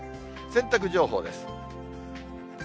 洗濯情報です。